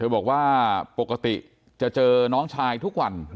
บอกว่าปกติจะเจอน้องชายทุกวัน